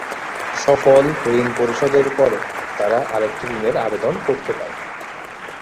সফল ঋণ পরিশোধের পরে তারা আরেকটি ঋণের আবেদন করতে পারে।